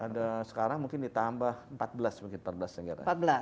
ada sekarang mungkin ditambah empat belas mungkin empat belas negara